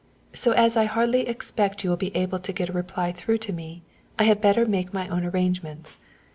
so, as I hardly expect you will be able to get a reply through to me, I had better make my own arrangements.